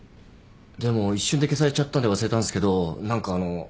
でも一瞬で消されちゃったんで忘れたんすけど何かあの。